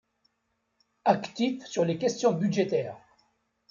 Actif sur les questions budgétaires.